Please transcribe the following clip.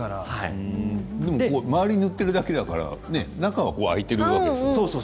周りに塗っているだけだから中は開いているわけですよね。